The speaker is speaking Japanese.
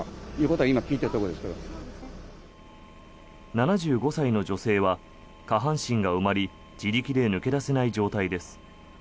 ７５歳の女性は下半身が埋まり自力で抜け出せない状態です。